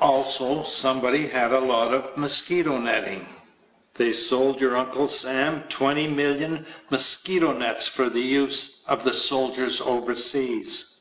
Also somebody had a lot of mosquito netting. They sold your Uncle Sam 20,000,000 mosquito nets for the use of the soldiers overseas.